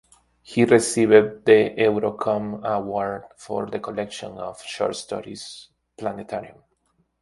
He received the Eurocon Award for the collection of short stories "Planetarium".